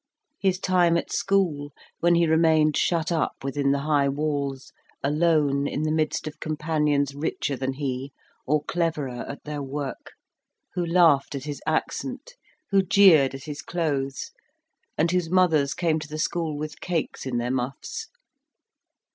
His time at school, when he remained shut up within the high walls, alone, in the midst of companions richer than he or cleverer at their work, who laughed at his accent, who jeered at his clothes, and whose mothers came to the school with cakes in their muffs?